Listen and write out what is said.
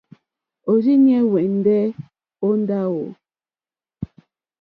Òrzìɲɛ́ hwɛ́ndɛ̀ ó ndáwò.